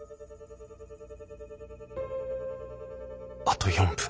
あと４分。